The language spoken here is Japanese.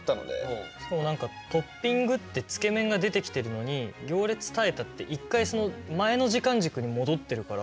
しかも何か「トッピング」って「つけ麺」が出てきてるのに「行列耐えた」って一回前の時間軸に戻ってるから。